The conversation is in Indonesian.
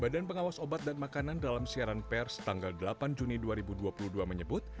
badan pengawas obat dan makanan dalam siaran pers tanggal delapan juni dua ribu dua puluh dua menyebut